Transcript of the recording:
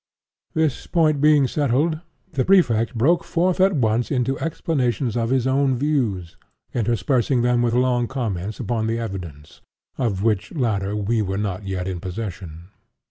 This point being settled, the Prefect broke forth at once into explanations of his own views, interspersing them with long comments upon the evidence; of which latter we were not yet in possession.